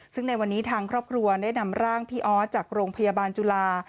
ซึ่งในวันนี้ทางครอบครัวได้นำร่างพี่ออสจากโรงพยาบาลจุฬา